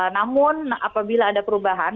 namun apabila ada perubahan